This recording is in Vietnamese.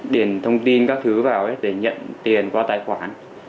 điền thông tin các thứ vào để nhận tiền qua tài khoản